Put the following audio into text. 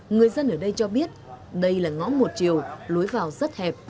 người dân ở đây cho biết đây là ngõ một triều lối vào rất hẹp